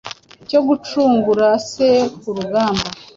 cyo gucungura se ku rugamba